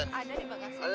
ada di belakang situ